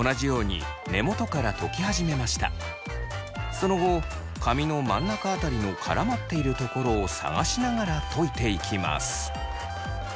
その後髪の真ん中辺りの絡まっているところを探しながらといていきます。